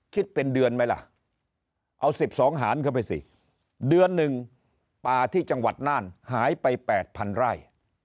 คิดเป็นเดือนไหมล่ะเอา๑๒หารเข้าไปสิเดือนหนึ่งป่าที่จังหวัดน่านหายไป๘๐๐๐ไร่